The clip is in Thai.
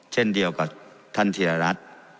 เช่นเดียวกับท่านธีรรัฐ